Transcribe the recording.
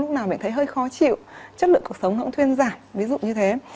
lúc nào mình thấy hơi khó chịu chất lượng cuộc sống cũng thuyên giảm ví dụ như thế